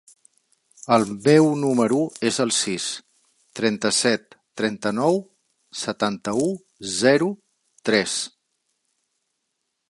El meu número es el sis, trenta-set, trenta-nou, setanta-u, zero, tres.